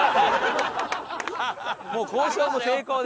もう交渉も成功で。